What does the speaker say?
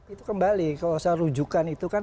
itu kembali kalau saya rujukan itu kan